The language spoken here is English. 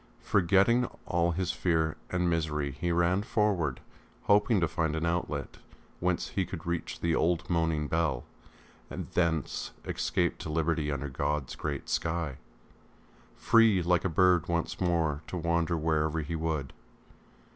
Forgetting all his fear and misery he ran forward, hoping to find an outlet whence he could reach the old moaning bell, and thence escape to liberty under God's great sky, free like a bird once more to wander wherever he would.